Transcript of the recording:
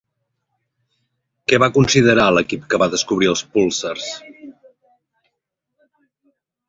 Què va considerar l'equip que va descobrir els púlsars?